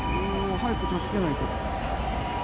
早く助けないと。